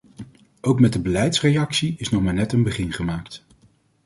Ook met de beleidsreactie is nog maar net een begin gemaakt.